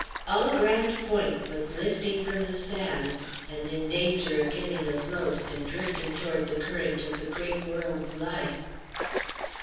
All Grande Pointe was lifting from the sands, and in danger of getting afloat and drifting toward the current of the great world's life.